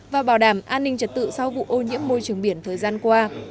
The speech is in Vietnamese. và bảo đảm an ninh trật tự sau vụ ô nhiễm môi trường biển thời gian qua